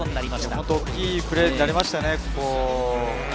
大きいプレーになりましたよね。